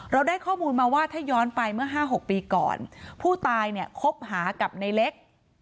เราได้ข้อมูลมาว่าถ้าย้อนไปเมื่อ๕๖ปีก่อนผู้ตายเนี่ยคบหากับในเล็ก